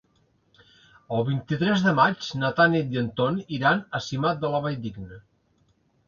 El vint-i-tres de maig na Tanit i en Ton iran a Simat de la Valldigna.